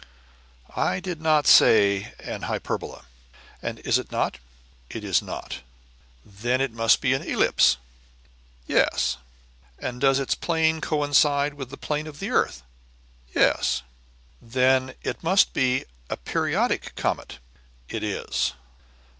"I did not say an hyperbola." "And is it not?" "It is not." "Then it must be an ellipse?" "Yes." "And does its plane coincide with the plane of the earth?" "Yes." "Then it must be a periodic comet?" "It is."